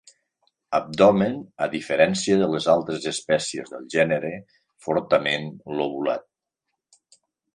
Abdomen, a diferència de les altres espècies del gènere, fortament lobulat.